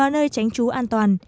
để tránh trú an toàn